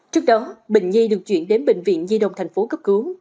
trước đó bệnh nhi được chuyển đến bệnh viện nhi đồng tp hcm cấp cứu